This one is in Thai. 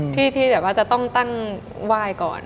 ที่แบบว่าจะต้องตั้งว่ายก่อน